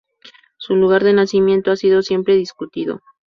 Su lugar de nacimiento ha sido siempre discutido.